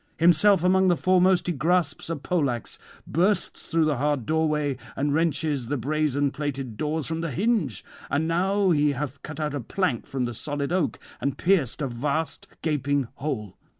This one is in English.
Himself among the foremost he grasps a poleaxe, bursts through the hard doorway, and wrenches the brazen plated doors from the hinge; and now he hath cut out a plank from the solid oak and pierced a vast gaping hole.